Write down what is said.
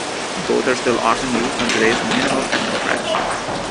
Both are still often used on today's minimal techno tracks.